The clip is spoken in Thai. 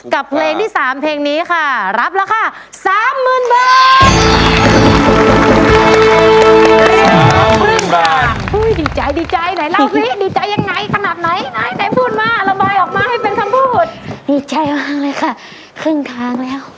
กับเพลงนี้คบรับราคา